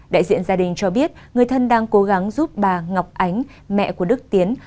đại diện gia đình cho biết người thân đang cố gắng giúp bà ngọc ánh mẹ của đức tiến